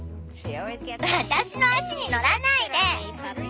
私の足に乗らないで！